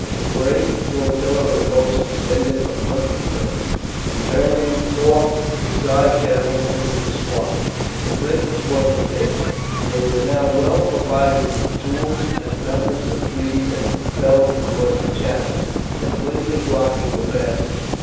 A great flotilla of boats descended from Huntingdon, and turning off the side channels entered the swamp. But the Britons were prepared. They were now well provided with tools, and numbers of trees had been felled across the channels, completely blocking the passage.